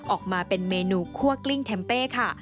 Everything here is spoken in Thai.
ออกมาเป็นเมนูคั่วกลิ้งแทมเป้ค่ะ